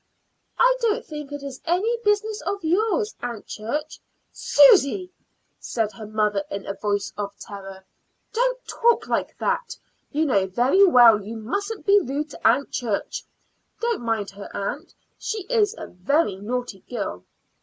"I don't think it is any business of yours, Aunt Church." "Susy!" said her mother in a voice of terror. "Don't talk like that. You know very well you mustn't be rude to Aunt Church. Don't mind her, aunt; she is a very naughty girl."